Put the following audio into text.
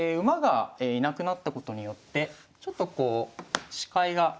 馬がいなくなったことによってちょっとこう視界が。